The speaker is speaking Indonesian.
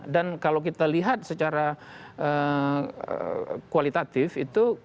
dan kalau kita lihat secara kualitatif itu